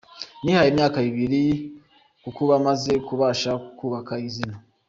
Nihaye imyaka ibiri kukuba maze kubasha kubaka izina .